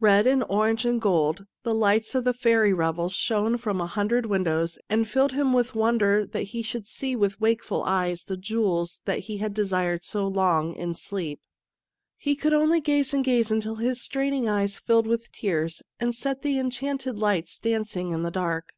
Red and orange and gold, the lights of the fairy revels shone from a hundred windows and filled him with wonder that he should see with wakeful eyes the jewels that he had desired so long in sleep. He could only gaze and gaze until his straining eyes filled with tears, and set the en chanted lights dancing in the dark.